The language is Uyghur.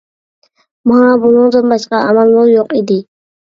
ماڭا بۇنىڭدىن باشقا ئامالمۇ يوق ئىدى.